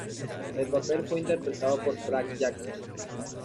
El papel fue interpretado por Brad Johnson.